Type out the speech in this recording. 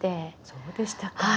そうでしたか。